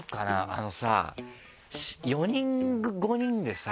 あのさ４人５人でさ